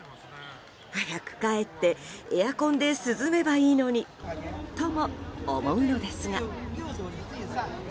早く帰ってエアコンで涼めばいいのにとも思うのですが。